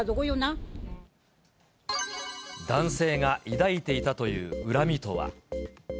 男性が抱いていたという恨みとは。